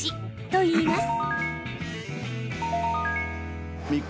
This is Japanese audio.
といいます。